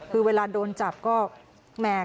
คือเวลาโดนจับก็แม่